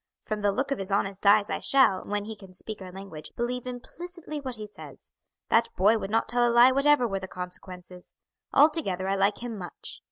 From the look of his honest eyes I shall, when he can speak our language, believe implicitly what he says. That boy would not tell a lie whatever were the consequences. Altogether I like him much.